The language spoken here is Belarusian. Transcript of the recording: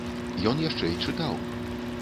Ён яшчэ і чытаў.